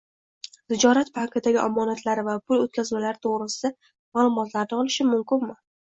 tijorat bankidagi omonatlari va pul o‘tkazmalari to‘g‘risida ma’lumotlarni olishim mumkinmi?